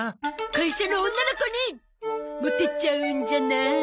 会社の女の子にモテちゃうんじゃない？